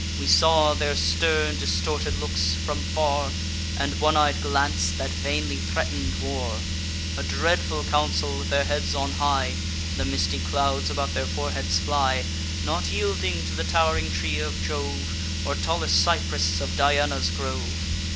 We saw their stern distorted looks, from far, And one eyed glance, that vainly threaten'd war: A dreadful council, with their heads on high; (The misty clouds about their foreheads fly;) Not yielding to the tow'ring tree of Jove, Or tallest cypress of Diana's grove.